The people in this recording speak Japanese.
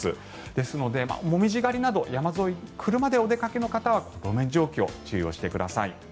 ですのでモミジ狩りなど山沿いに車でお出かけの方は路面状況、注意をしてください。